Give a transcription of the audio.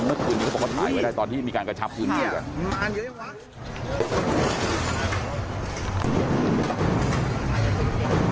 เมื่อคืนนี้เขาบอกว่าถ่ายไว้ได้ตอนที่มีการกระชับพื้นที่อ่ะ